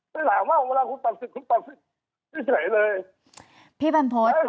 ไม่หากว่าเวลาคุณตัดสิทธิ์คุณตัดสิทธิ์ไม่ใช่เลย